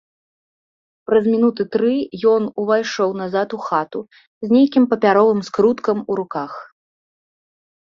Праз мінуты тры ён увайшоў назад у хату з нейкім папяровым скруткам у руках.